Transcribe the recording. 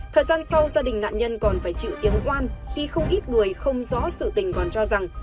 thời gian sau gia đình nạn nhân còn phải chịu tiếng oan khi không ít người không rõ sự tình còn cho rằng